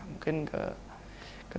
mungkin ke tv swasta ya